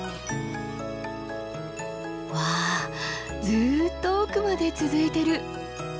うわずっと奥まで続いてる。